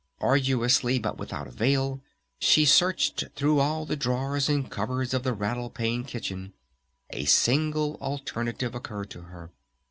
Arduously, but without avail, she searched through all the drawers and cupboards of the Rattle Pane kitchen. A single alternative occurred to her.